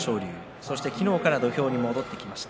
そして昨日から土俵に戻ってきました。